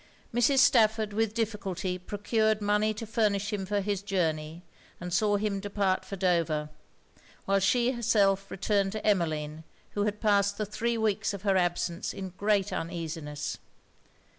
Mrs. Stafford with difficulty procured money to furnish him for his journey, and saw him depart for Dover; while she herself returned to Emmeline, who had passed the three weeks of her absence in great uneasiness.